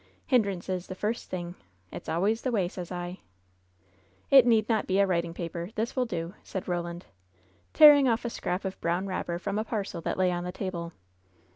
Hindrances, the first thing! It's always the way, sez I !" "It need not be writing paper. This will do," said Eoland, tearing off a scrap of brown wrapper from a parcel that lay on the table.